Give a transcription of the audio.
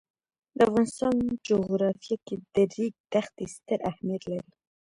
د افغانستان جغرافیه کې د ریګ دښتې ستر اهمیت لري.